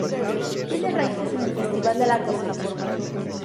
Tiene raíces en el festival de la cosecha.